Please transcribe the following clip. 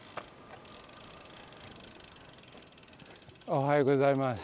おはようございます。